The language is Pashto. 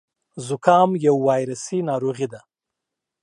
زکام يو وايرسي ناروغي ده.